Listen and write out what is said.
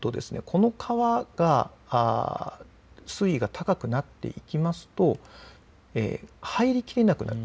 この川が水位が高くなっていきますと入りきれなくなる。